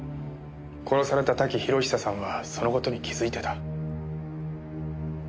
殺された瀧博久さんはその事に気づいてた。